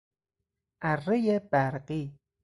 ارهی برقی